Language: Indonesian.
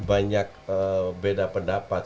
banyak beda pendapat